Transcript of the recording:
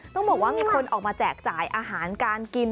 ต้องบอกว่ามีคนออกมาแจกจ่ายอาหารการกิน